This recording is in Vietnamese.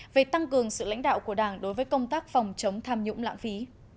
về tăng cường sự lãnh đạo của đảng đối với công tác phòng chống tham nhũng lãng phí